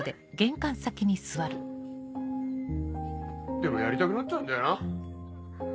でもやりたくなっちゃうんだよな。